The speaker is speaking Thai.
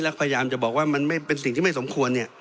แล้วพยายามจะบอกว่ามันเป็นสิ่งที่ไม่สมควร